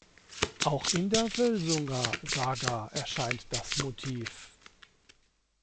Auch in der Völsunga saga erscheint das Motiv.